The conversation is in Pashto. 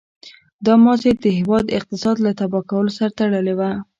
دا ماضي د هېواد اقتصاد له تباه کولو سره تړلې وه.